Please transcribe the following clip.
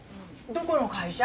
どこの会社？